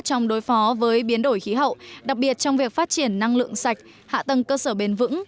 trong đối phó với biến đổi khí hậu đặc biệt trong việc phát triển năng lượng sạch hạ tầng cơ sở bền vững